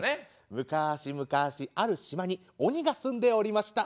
むかし昔ある島に鬼が住んでおりました。